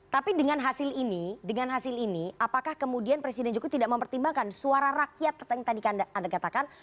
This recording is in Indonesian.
tapi dengan hasil ini apakah kemudian presiden jokowi tidak mau pertimbangkan suara rakyat yang tadi anda katakan